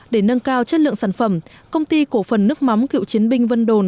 để nâng cao chất lượng sản phẩm công ty cổ phần nước mắm cựu chiến binh vân đồn